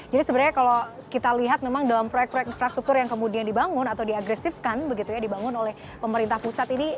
jadi sebenarnya kalau kita lihat memang dalam proyek proyek infrastruktur yang kemudian dibangun atau diagresifkan begitu ya dibangun oleh pemerintah pusat ini